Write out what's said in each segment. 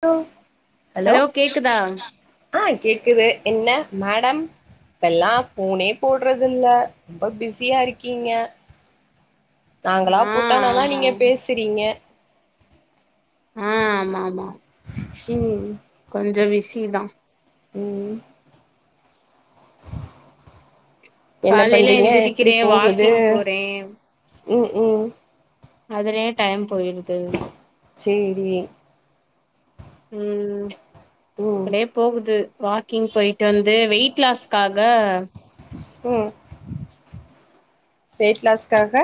ஆ hello கேக்குதா ஆ கேக்குது என்ன மேடம் இப்பெல்லா ஃபோனே போடுறது இல்ல ரொம்ப பிஸியா இருக்கீங்க நாங்களா ஆ போட்டானாதா ஆமா நீங்க பேசுறீங்க ஆ ஆமா ஆமாம் ம் கொஞ்சோ விசிதா ம் என்ன காலையில பண்றீங்க எப்டி எந்திரிக்கிறே போகுது வாக்கிங் போறே ம் ம் அதுலயே டைம் போயிருது சேரி ம் ம் அப்டே போகுது வாக்கிங் போய்ட்டு வந்து வெயிட் லாஸ்க்காக ம் வெயிட் லாஸ்க்காக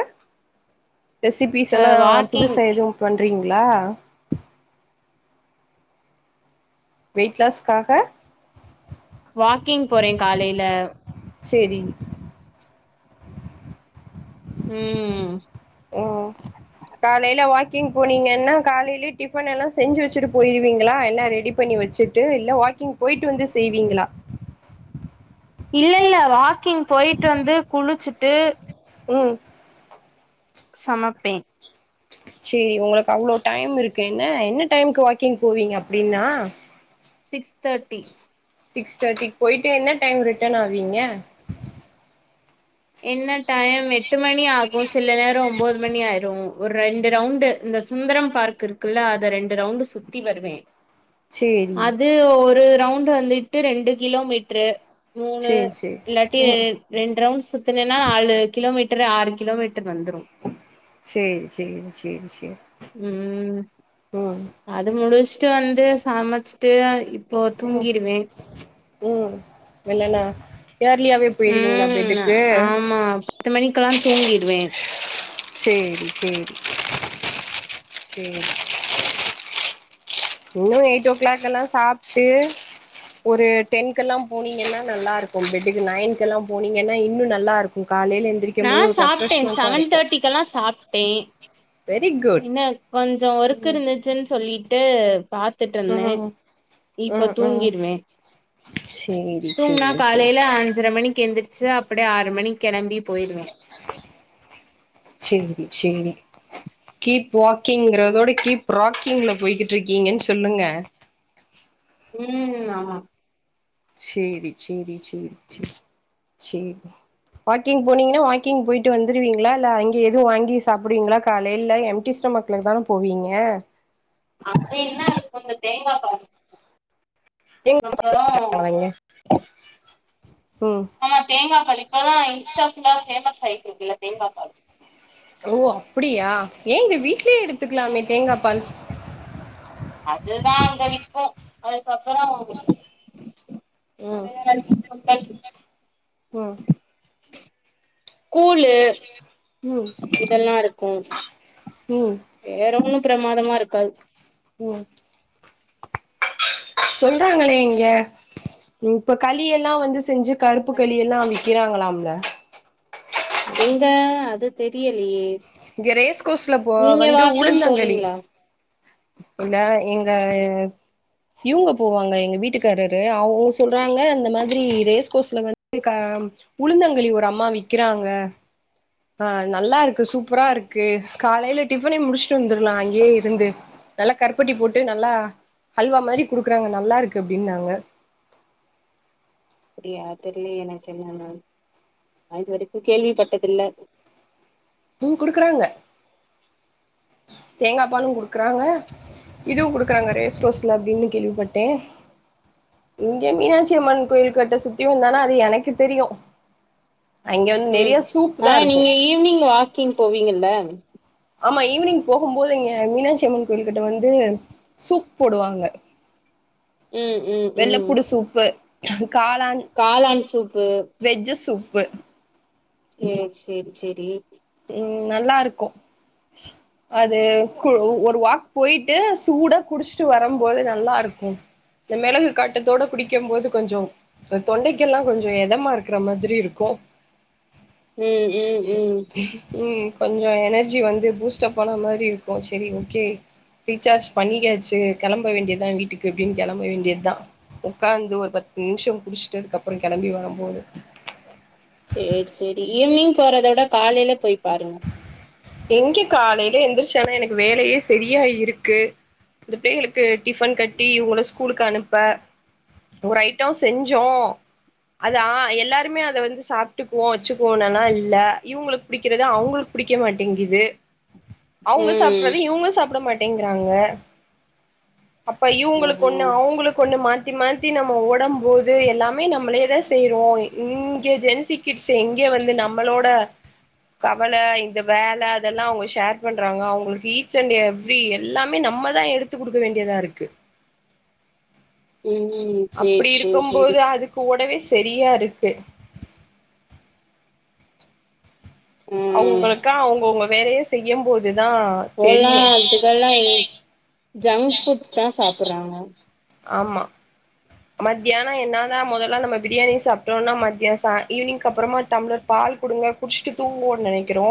ரெசிபிஸ் அ எல்லா வாக்கிங் புதுஸா எதுவு பண்றீங்களா வெய்ட் லாஸ்க்காக வாக்கிங் போற காலைல செரி ம் ஓ காலைல வாக் கிங் போனீங்கனா காலிலயே டிஃபன் எல்லா செஞ்சு வெச்சுட்டு போய்ருவீங்களா எல்லா ரெடி பண்ணி வெச்சுட்டு இல்ல வாக் வாக்கிங் போய்ட்டு வந்து செய்வீங்களா இல்ல இல்ல வாக்கிங் போய்ட்டு வந்து குளிச்சுட்டு ம் சமப்பே சேரி உங்குளுக்கு அவ்ளோ டைம் இருக்கே என்ன என்ன டைமுக்கு வாக்கிங் போவீங்க அப்டீன்னா சிக்ஸ் தர்டி சிக்ஸ் தர்ட்டிக்கு போய்ட்டு என்ன டைம் ரிட்டன் ஆவீங்க என்ன டையம் எட்டு மணி ஆகோ சில நேரம் ஒம்போது மணி ஆயிரோ ஒரு ரெண்டு ரவுண்டு இந்த சுந்தரம் பார்க் இருக்குல்ல அத ரெண்டு ரவுண்டு சுத்தி வருவே சேரி அது ஒரு ரவுண்டு வந்துட்டு ரெண்டு கிலோமீட்ரு மூணு சேரி சேரி இல்லாட்டி ம் ரெண்டு ரவுண்ட் சுத்தனேன்னா நாலு கிலோமீட்ரு ஆறு கிலோமீட் செரி செரி செரி செரி ம் அது முடிச்சுட்டு வந்து சமச்சுட்டு இப்போ ம் தூங்கிடுவே ம் இல்லன்னா ஏர்லியாவே போயிருவீங்களா ம்ம் பெட்டுக்கு ஆமா பத்து மணிக்கெல்லா தூங்கிடுவே செரி செரி செரி இன்னோ எயிட் ஓ கிளாக்கெல்லா சாப்ட்டு ஒரு டென்கெல்லா போனீங்கென்னா நல்லா இருக்கோ பெட்டுக்கு நயன்கெல்லா போனீங்கென்னா இன்னோ நல்லா இருக்கு காலையில எந்திரிக்கும் நா போது ஒரு சாப்ட்டே ரெஃப்ரெஷ்மெண்ட்டா செவன் இருக்கு தேர்ட்டிக்கெல்லா சாப்ட்டே வெரி குட் என்ன கொஞ்சோ ஒர்க் ம் இருந்துச்சுன்னு சொல்லிட்டு பாத்துட்ருந்தே ம் இப்ப ம் ம் தூங்கிருவே சேரி தூங்னா சேரி சேரி காலைல அஞ்சர மணிக்கு எந்திருச் ச்சு அப்டியே ஆறு மணிக்கு கெளம்பி போயிருவே செரி செரி கீப் ம் வாக்கிங்கறதோட கீப் ராக்கிங்ல போய்கிட்டு இருக்கீங்கன் சொல்லுங்க ம் ஆமா செரி செரி செரி செரி செரி வாக்கிங் போனீங்கனா வாக்கிங் போயிட்டு வந்துருவீங்களா இல்ல அங்க எதுவு வாங்கி சாப்பிடுவீங்களா காலைல எம்டி ஸ்ட மக்ல தானே போவீங்க அப்டீன்னா கொஞ்சோ தேங்கா பாலு ஊத் இதுகப்பறோ தேங்காவைங்க ம் ஆமா தேங்கா பாலு இப்பதா இன்ஸ்டா ஃபுல்லா ஃபேமஸ் ஆயிட்டுருக்குல்ல தேங்கா பால் ஓ அப்புடியா ஏங்க வீட்லயே எடுத்துக்கலாமே ம் தேங்கா பால் அதுதா அங்க விக்கு அதுக்கப்பறோ ம் வேற சுண்டல் ம் கூலு ம் இதெல்லா இருக்கோ ம் வேற ஒன்னோ பிரமாதமா இருக்காது ம் சொல்றாங்களே இங்க இப்ப கலி யெல்லா வந்து செஞ்சு கருப்பு களி எல்லா விக்கிறாங்களாம்ல எங்க அது தெரியலயே இந்த ரேஸ்கோஸ்ல போ வந்து உளுந்தங்களி போவீங்களா இல்ல எங்க இவங்க போவாங்க எங்க வீட்டுக்காரரு அவோங்க சொல்றாங்க இந்த மாதிரி ரேஸ்கோஸ்ல வந்து அம் உளுந்தங்களி ஒரு அம்மா விக்கிறாங்க அ நல்லா இருக்கு சூப்பரா இருக்கு காலைல டிஃபனே முடிச்சுட்டு வந்துரலா அங்கேயே இருந்து நல்லா கருப்பட்டி போட்டு நல்லா ஹல்வா மாரி குடுக்குறாங்க நல்லா இருக்கு அப்டின்னாங்க அப்டியா தெரியலயே எனக்கு என்னானு நா இது வரைக்கு கேள்விப்பட்ட தில்ல தூ குடுக்குறாங்க தேங்கா பாலு குடுக்குறாங்க இதுவு குடுக்குறாங்க ரேஸ்கோர்ஸ்ல அப்டின்னு கேள்விப்பட்டே இங்க மீனாட்சி அம்மன் கோயில கட்ட சுத்தியு வந்தானா அது எனக்கு தெரியு அங்க வந்து ம் நெறைய சூப் அ தா இருக்கு நீங்க ஈவினிங் வாக்கிங் போவீங்கல ஆமா ஈவினிங் போகுபோது இங்க மீனாட்சி அம்மன் கோயில்கிட்ட வந்து சூப் போடுவாங்க ம் ம் ம் வெள்ளப்பூடு சூப்பு காளான் காளான் சூப்பு வெஜ்ஜு சூப்பு சரி சரி சரி ம் நல்லா இருக்கு அது ஒரு வாக் போயிட்டு சூடா குடிச்சுட்டு வரும்போது நல்லா இருக்கும் இந்த மிளகு காட்டத்தோட குடிக்கும் போது கொஞ்சோ இந்த தொண்டைக்கெல்லா கொஞ்ச எதமா இருக்கற மாதிரி இருக்கும் ம் ம் ம் உம் கொஞ்ச எனர்ஜி வந்து பூஸ்ட் அப்பான மாரி இருக்கு சேரி ஓகே ரீசார்ஜ் பண்ணிக்யாச்சு கிளம்ப வேண்டியதா வீட்டுக்கு அப்புடின்னு கிளம்ப வேண்டியதான் உக்காந்து ஒரு பத்து நிமிஷ குடிச்சுட்டதுக்கு அப்புற கிளம்பி வரும் போது சேரி சேரி ஈவினிங் போறத விட காலையில போயி் பாருங்க எங்க காலையில எந்திரிச்சானா எனக்கு வேலையே சரியா இருக்கு இந்த பிள்ளைகளுக்கு டிஃபன் கட்டி இவங்கள ஸ்கூலுக்கு அனுப்ப ஒரு ஐட்டோ செஞ்சோ அதா ஆ எல்லாருமே அத வந்து சாப்பிட்டுக்குவோ வச்சுக்குவோம்ன்னன் இல்லே இவங்களுக்கு பிடிக்கறது அவங்களுக்கு பிடிக்க மாட்டேங் ங்கது அவங்க ம் சாப்புறது இவங்க சாப்பிட மாட் ங்கிறாங்க அப்ப இவங்களுக்கு ஆஹா ஒண்ணு அவங்களுக்கு ஒண்ணு மாத்தி த்தி மாத்தி நம்ப உடம் போது எல்லாமே நம்மளே தா செய்றோ இங்க ஜென்சி கிட்ஸ் எங்கே வந்து நம்மளோட கவல இந்த வேல அதெல்லா அவங்க ஷேர் பண்றாங்க அவங்களுக்கு ஈச் அண்ட் எவரி எல்லாமே நம்மள எடுத்து கொடுக்க வேண்டியது த இருக்கு ம் சேரி அப்புடி சேரி சேரி இருக்குபோது அதுக்கு ஒடனே தெரியா இருக்கு ஆ அவங்களுக்க அவங்கவுங்க வேலையே செய்யு போது துத இப்போல்லா தெரியு [unintelligible] அதுக்கெல்லா எங் ஜங்க் ஃபுட்ஸ் தா சாப்பிடுறாங்க ஆமா மத்தியான என்ன தா முதல்ல நம்ப பிரியாணி சாப்பிட்டோம்னா மத்தியானச ஈவினிங் அப்புறமா டம்ளர் பால் கொடுங்க குடிச்சுட்டு தூங்குவோம்ன்னு நினைக்கிறோ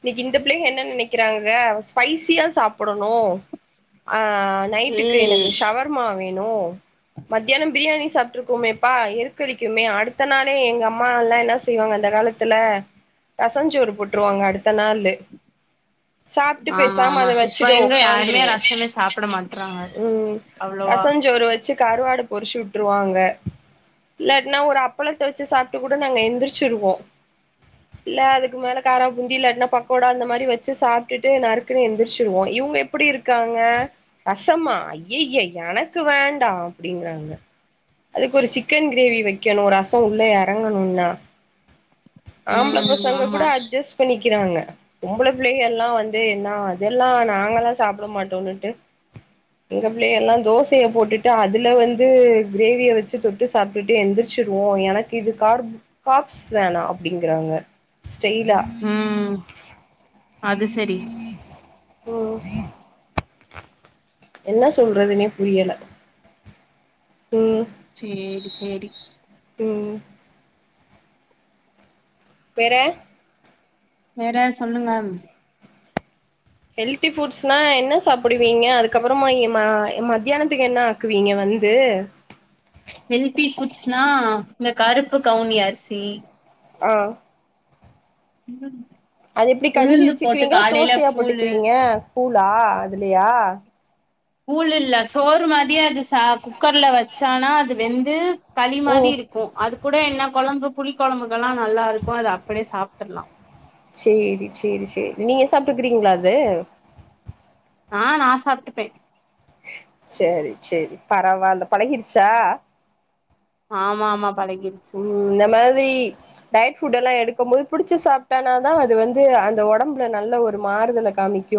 இன்னைக்கு இந்த பிள்ளைங்க என்ன நினைக்கிறாங்க ஸ்பைசியா சாப்பிடணு அ நைட்டுக்கு ம் எனக்கு ஷவர்மா வேணு மத்தியான பிரியாணி சாப்ட்டு இருக்கோமேப்பா எதுகழிக்குமே அடுத்த நாளே எங்க அம்மா எல்லா என்ன செய்வாங்க அந்த கா காலத்துல ரசஞ்சோறு போட்டுருவாங்க அடுத்த நாளு சாப்ட்டு ஆமா பேசாம ஆமா அத இப்ப வச்சுடுவோ எங்க யாருமே உக்காந்துருவோ ரசமே சாப்ட மாட்றாங்க ம் அவ்ளோவா ரசஞ்சோறு வச்சு கருவாட பொரிச்சு உட்டுருவாங்க இல்லாட்னா ஒரு அப்பளத்த வச்சு சாப்ட்டு கூட நாங்க எந்திரிச்சுடுவோ இல்ல அதுக்கு மேல காரபூந்தி இல்லாட்னா பக்கோடா இந்த மாரி வச்சு சாப்பிட்டு நறுக்குன்னு எந்திரிச்சுருவோ இவங்க எப்புடி இருக்காங்க ரசம்மா ஐய்யய்யே எனக்கு வேண்டா அப்புடிங்கறாங்க அதுக்கு ஒரு சிக்கன் கிரேவி வைக்கணு ரச உள்ளே இறங்கணும்னா ஆம்பள ம் பசங்க ஆமா கூட அட்ஜஸ்ட் பண்ணி க்கிறாங்க பொம்புள பிள்ளைக எல்லா வந்து என்ன அதெல்லா நாங்கல்லா சாப்பிட மாட்டோன்னுட்டு எங்க பிள்ளைக எல்லா தோசைய போட்டுட்டு அ துல வந்து கிரேவிய வச்சு தொட்டு சாப்பிட்டுட்டு எந்திரிச்சிருவோ எனக்கு இது க கார்ப்ஸ் வேணா அப்புடிங்கறாங்க ம் அது சேரி ஓ என்ன சொல்றதுனே புரியல ம் சேரி சேரி ம் வேற வேற சொல்லுங்க ஹெல்தி ஃபுட்ஸ்னா என்ன சாப்பிடுவீங்க அதுக்கப்பறமா அ மத்தியானத்துக்கு என்ன ஆக்குவீங்க வந் ந்து னா இந்த கருப்பு கவுனி அரிசி அ இல்ல அது எப்படி கஞ்சி வச்சுக்குவீங்கள தோசையா கூழு போட்டுக்குவீங்க கூழா அதுலயா கூழ் இல்ல சோறு மாதிரியே அது ச குக்கர்ல வச்சானா அது வெந்து களி ஓ மாரி இருக்கு அது கூட என்ன கொழம்பு புளி கொழம்புக்கெல்லா நல்லாருக்கு அத அப்டியே சாப்டுக்லா சேரி சேரி சேரி நீங்க சாப்ட்டுக்கறீங்களா அது அ நா சாப்ட்டுப்பே சேரி சேரி பரவால்ல பழகிடுச்சா ஆமா ஆமா பழகிருச்சு ம் இந்த மாரி டயட் ஃபுட் எல்லா எடுக்கு போது புடிச்சு சாப்ட்டான தா அது வந்து அந்த ஒடம்புல நல்ல ஒரு மாறுதல காமிக்கு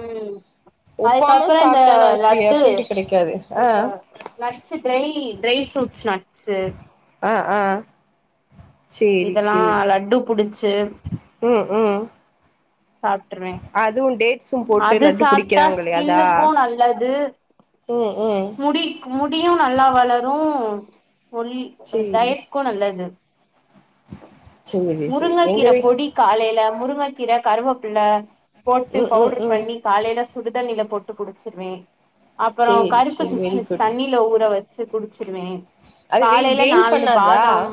ம் ஒப்பாம அதுக்கப்புற இந்த சாப்ட்டானா அதுக்கு லட்டு எஃபெக்ட் கெடைக்காது ஆ [unintelligible] nuts dry dry fruits nuts அ அ சேரி இதெல்லா சேரி லட்டு புடிச்சு ம் ம் சாப்ட்டுருவே அதுவு டேட்ஸும் போட்டு அது லட்டு சாப்ட்டா புடிக்கிறாங்களே அதா ஸ்கின்னுக்கு நல்லது ம் ம் முடிக் முடியு நல்லா வளரு ஒல் சேரி டயட்கு நல்லது சேரி சேரி எங்க முருங்ககீர வீ பொடி காலைல முருங்கைக்கீர கருவேப்புள்ள போட்டு ம் ம் பவுடர் ம் பண்ணி காலில சுடுதண்ணில போட்டு குடிச்சிருவே அப்புற சேரி கருப்பு சேரி வெரி கிஸ்மிஸ் குட் தண்ணியில ஊற வச்சு குடிச்சிருவே அது வெயிட் காலைல கெயின் நாலு பண்ணாதா பாதாம்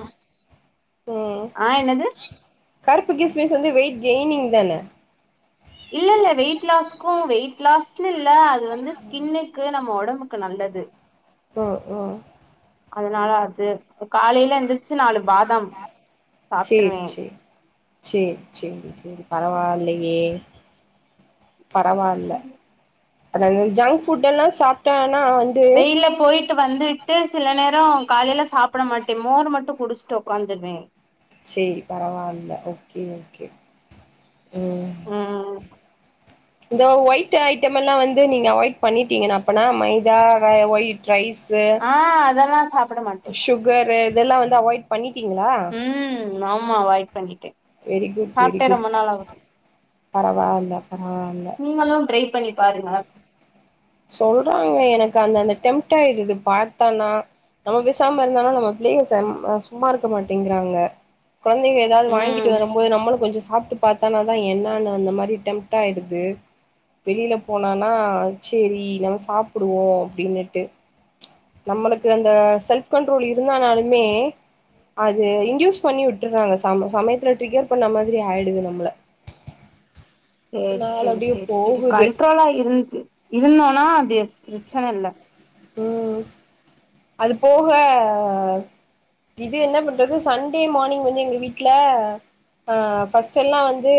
ம் ஆ என்னது கருப்பு கிஸ்மிஸ் வந்து வெயிட் கெய்னிங் தான இல்ல இல்ல வெயிட் லாஸ்க்கு வெயிட் லாஸ்ன்னு இல்ல அது வந்து ஸ்கின்னுக்கு நம்ம ஒ டம்புக்கு நல்லது ம் ம் அதனால அது காலைல எந்திரிச்சு நாலு பாதாம் சேரி சாப்ட்டுருவே சேரி சேரி சேரி சேரி பரவால்லையே பரவால்ல அதாங்க ஜங்க் ஃபுட் எல்லா சாப்ட்டா வெயில்ல போய்ட்டு வந்துட்டு சில நேரோ காலைல சாப் பட மாட்டே மோர் மட்டு குடுஷ்ட்டு உக்காந்துர்வே சேரி பரவால்ல ஓகே ஓகே ம் ம் இந்த ஒயிட் ஐட்டம் எல்லா வந்து நீங்க அவாய்ட் பண்ணிட்டீங்கன்னா அப்பனா மைதா ஒயிட் ரைஸ்சு ஆ அதெல்லா சாப்ட மாட்டே சுகர்ரு இதெல்லா வந்து அவாய்ட் பண்ணி திங்ளா ம் ஆமா அவாய்ட் பண்ணிட்டே வெரி குட் வெரி சாப்ட்டே குட் ரொம்ப நாள் ஆகுது பரவால்ல பரவால்ல நீங்களு ட்ரை பண்ணி பாருங்க சொல்றாங்க எனக்கு அந்தந்த டெம்ட் ஆயிடுது பாத்தனா நம்ம பேசாம இருந்தாலு நம்ம பிள்ளைக செம்ம சும்மா இருக்க மாட்டிங்கிறாங்க கொழந்தைங்க ஏதாவ்து வாங்கீட்டு ம் வரும்போது நம்மளு கொஞ்சோ சாப்ட்டு பாத்தானா தா என்னானு அந்த மாரி டெம்ட் ஆயிடுது வெளில போனனா செரி நம்ம சாப்பிடுவோ அப்டின்னிட்டு நம்மளுக்கு அந்த செல்ஃப் கண்ட்ரோல் இருந்தானாலுமே அது இன்டியூஸ் பண்ணி விட்றாங்க ச சமயத்தில ட்ரிகர் பண்ண மாதிரி ஆயிடுது நம்மள சேரி நாள் செரி அப்டியே செரி செரி போகுது கண்ட்ரோலா இருந்து இருந்தோனா அது பிரச்சன இல்ல ம் அது போக இது என்ன பண்றது சண்டே மானிங் வந்து எங்க வீட்ல ஆ ஃபஸ்ட்டெல்லா வந்து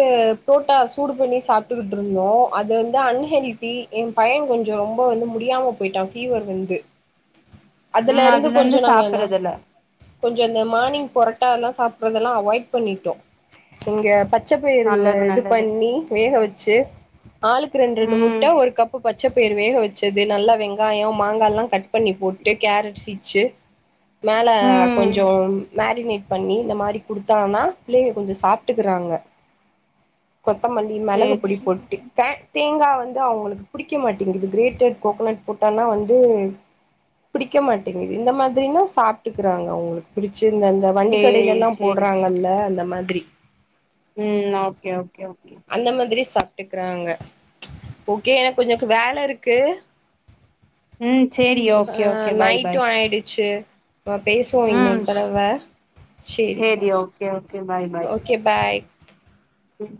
ப்ரோட்டா சூடு பண்ணி சாப்ட்டுகிட்டு இருந்தோ அது வந்து அன்ஹெல் டீ எ பையே கொஞ்சோ ரொம்போ வந்து முடியாம போய்ட்டா ஃபீவர் வந்து [inaudible] அதுலருந்து அதுல கொஞ்சோ இருந்து நாங்கன்னா சாப்டுறது இல்ல கொஞ்சோ இந்த மானிங் போற புரோட்டாலா சாப்ட்றதெல்லா அவாய்ட் பண்ணிட்டோ இங்க பச் பச்ச பயிரு நல்லது இது நல்லது பண்ணி வேக வெச்சு ஆளுக்கு ரெண்டு ரெண்டு ம் முட்ட ஒரு கப்பு பச்ச பயிறு வேக வெச்சது நல்லா வெங்காயோ மாங்கால்லா கட் பண்ணி போட்டு கேரட் சீச்சி மேல ம் கொஞ்சோம் மேரினேட் பண்ணி இந்த மாரி குடுத்தான்னா பிள்ளைங்க கொஞ்சோ சாப்ட்டுக்கறாங்க கொத்தமல்லி மெளகு பொடி சேரி போட்டுதே தேங்கா வந்து அவுங்களுக்கு புடிக்க மாட்டேங்குது க்ரேடேட் கோக்கனட் போட்டனா வந்து பிடிக்க மாட்டிங்குது இந்த மாதிரினா சாப்ட்டுக்கறாங்க அவுங்களுக்கு பிடி ச் இந்தந்த வண்டி சேரி கடைலல்லா சேரி சேரி போட்றாங்கல்ல அந்த மாத்ரி ம் ஓகே ஓகே ஓ அந்த மாத்ரி சாப்ட்டுக்கறாங்க ஓகே எனக் கொஞ்சக்கு வேல இருக்கு ம் சேரி ஆ okay okay bye night bye ஆயிடுச்சு அ பேசுவோ இன்னொரு ம் தடவ செரி ஓ சேரி ஓகே ஓகே ஓகே பாய் உம்